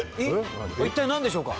一体なんでしょうか？